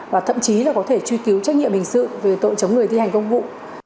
và thậm chí là có thể truy cứu trách nhiệm hình sự về tội chống người thi hành công vụ